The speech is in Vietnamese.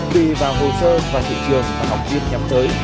tùy vào hồ sơ và thị trường và học viên nhập thờ